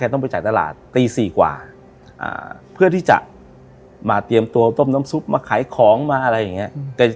เตรียมตัวต้มน้ำซุปมาขายของมาอะไรอย่างงี้